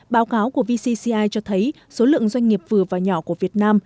báo cáo của vcci cho thấy số lượng doanh nghiệp vừa và nhỏ của việt nam